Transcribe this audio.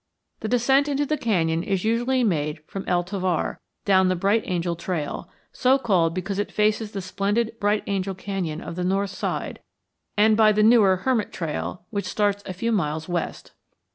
The descent into the canyon is usually made from El Tovar down the Bright Angel Trail, so called because it faces the splendid Bright Angel Canyon of the north side, and by the newer Hermit Trail which starts a few miles west.